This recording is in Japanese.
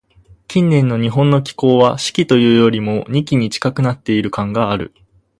近年の日本の気候は、「四季」というよりも、「二季」に近くなっている感がある。